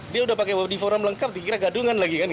dia udah pakai body form lengkap dikira gadungan lagi kan